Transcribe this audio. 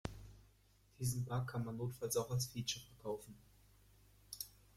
Diesen Bug kann man notfalls auch als Feature verkaufen.